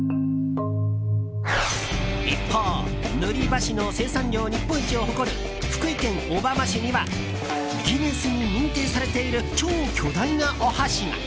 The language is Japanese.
一方塗り箸の生産量日本一を誇る福井県小浜市にはギネスに認定されている超巨大なお箸が。